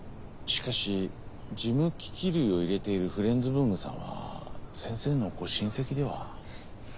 しかし事務機器類を入れているフレンズ文具さんは先生のご親戚では？